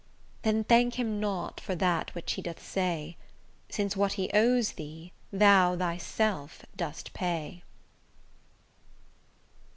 Then thank him not for that which he doth say, Since what he owes thee, thou thyself dost pay.